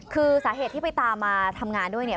คือสาเหตุที่ไปตามมาทำงานด้วยเนี่ย